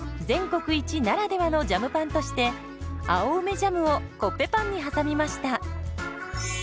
全国一ならではのジャムパンとして青梅ジャムをコッペパンに挟みました。